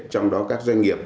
trong đó các doanh nghiệp